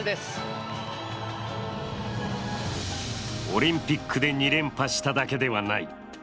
オリンピックで２連覇しただけではない。